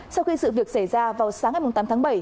sau khi sự việc xảy ra vào sáng ngày tám tháng bảy